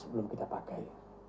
belum kita pakai